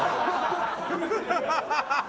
ハハハハ！